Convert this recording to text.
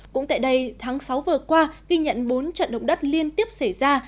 cũng tại đây tháng sáu vừa qua ghi nhận bốn trận động đất liên tiếp xảy ra